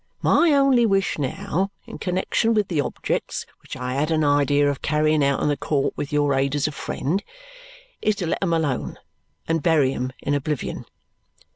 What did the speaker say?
My only wish now in connexion with the objects which I had an idea of carrying out in the court with your aid as a friend is to let 'em alone and bury 'em in oblivion.